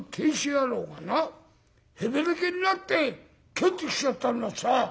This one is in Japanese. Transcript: へべれけになって帰ってきちゃったんだとさ」。